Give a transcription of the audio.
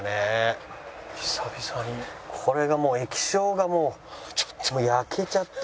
これがもう液晶がもう焼けちゃって。